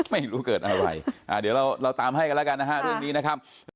ไม่รู้เกิดอะไรเดี๋ยวเราตามให้กันแล้วกันนะครับ